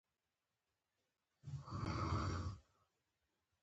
القدس خاموشه دی.